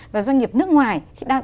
và doanh nghiệp nước ngoài